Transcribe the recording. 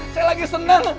saya lagi seneng